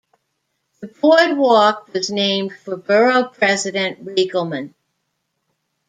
The boardwalk was named for Borough President Riegelmann.